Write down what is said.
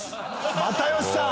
又吉さん。